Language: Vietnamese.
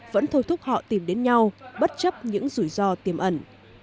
vẫn thôi thúc họ tìm đến nhau bất chấp những rủi ro tiềm ẩn